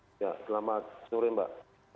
selamat sore mbak